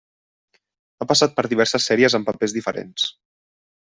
Ha passat per diverses sèries amb papers diferents.